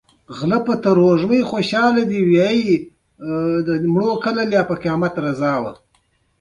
د ژمي موسم د تودو جامو اړتیا لري.